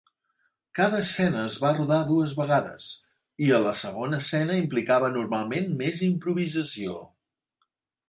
Cada escena es va rodar dues vegades, i la segona escena implicava normalment més improvisació.